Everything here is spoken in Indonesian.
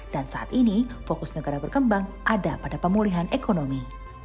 dan saat ini fokus negara berkembang ada pada pemulihan ekonomi